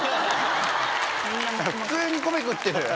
普通に米食ってる。